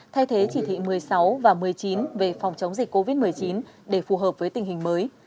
thay thế chỉ thị một mươi sáu và một mươi chín về phòng chống dịch covid một mươi chín để phù hợp với tình hình mới